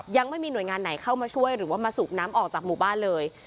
ยังไม่มีหน่วยงานไหนเข้ามาช่วยหรือว่ามาสูบน้ำออกจากหมู่บ้านเลย